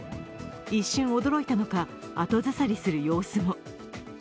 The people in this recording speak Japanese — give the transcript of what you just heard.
一瞬驚いたのか、後ずさりする様子も。